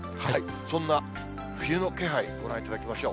そんな冬の気配、ご覧いただきましょう。